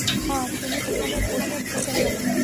মা, তুমি এখানে বসে রয়েছো কেন?